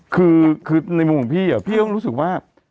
คือในมุมของพี่พี่ต้องรู้สึกว่า